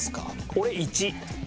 俺１。